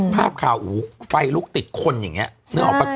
ภาพข่าวฟัยลุกติดคนอย่างเงี้ย